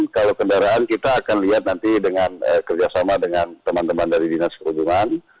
kalau kendaraan kita akan lihat nanti dengan kerjasama dengan teman teman dari dinas perhubungan